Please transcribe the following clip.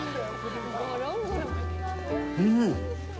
うん！